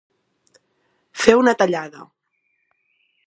Fer una tallada.